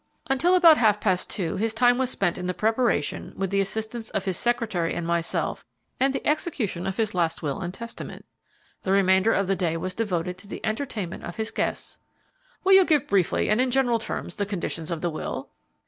"Until about half past two his time was spent in the preparation, with the assistance of his secretary and myself, and the execution of his last will and testament. The remainder of the day was devoted to the entertainment of his guests." "Will you give briefly and in general terms the conditions of the will."